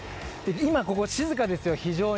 今ここ静かですよ、非常に。